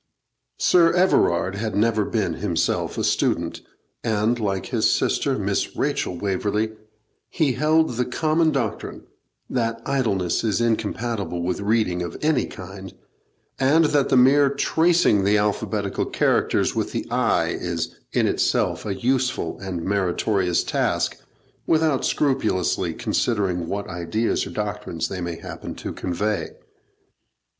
Sir Everard had never been himself a student, and, like his sister, Miss Rachel Waverley, he held the common doctrine, that idleness is incompatible with reading of any kind, and that the mere tracing the alphabetical characters with the eye is in itself a useful and meritorious task, without scrupulously considering what ideas or doctrines they may happen to convey.